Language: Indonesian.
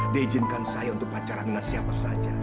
dia izinkan saya untuk pacaran dengan siapa saja